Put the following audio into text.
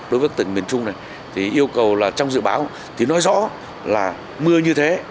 đối với tỉnh miền trung này yêu cầu trong dự báo nói rõ là mưa như thế